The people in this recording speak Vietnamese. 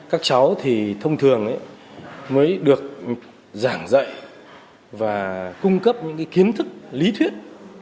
các cháu thì thông thường mới được giảng dạy và cung cấp những kiến thức lý thuyết